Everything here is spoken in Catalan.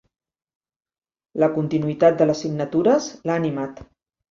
La continuïtat de les signatures l'ha animat.